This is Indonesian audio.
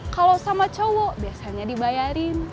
kalau sama cowok biasanya dibayarin